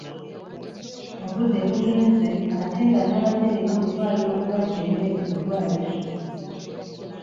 Obudde bugenze ate nga nabadde nina okutwalira omulwadde emmere ku ddwaliro.